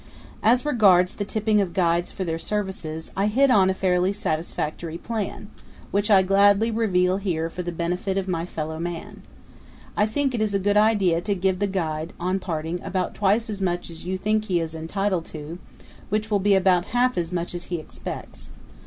As regards the tipping of guides for their services, I hit on a fairly satisfactory plan, which I gladly reveal here for the benefit of my fellow man. I think it is a good idea to give the guide, on parting, about twice as much as you think he is entitled to, which will be about half as much as he expects.